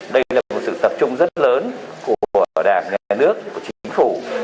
đây là một sự tập trung rất lớn của đảng nhà nước của chính phủ